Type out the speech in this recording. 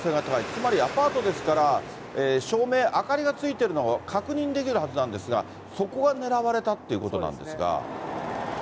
つまりアパートですから、照明、明かりがついているのは確認できるはずなんですが、そこが狙われたってことなんですが。